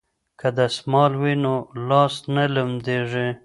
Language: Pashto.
که دستمال وي نو لاس نه لمدیږي.